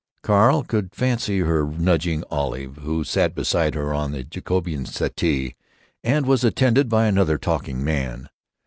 Carl could fancy her nudging Olive, who sat beside her on the Jacobean settee and was attended by another talking man.